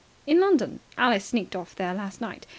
"In London. Alice sneaked off there last night.